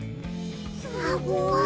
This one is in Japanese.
すごい。